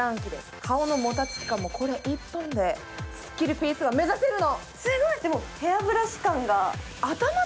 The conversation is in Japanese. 顔のもたつき感もこれ１本でスッキリフェイスが目指せるの。